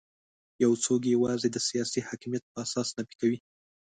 یو څوک یې یوازې د سیاسي حاکمیت په اساس نفي کوي.